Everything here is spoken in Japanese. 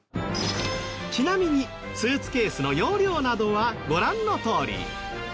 ちなみにスーツケースの容量などはご覧のとおり。